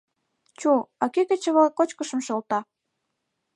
Чу, а кӧ кечывал кочкышым шолта?..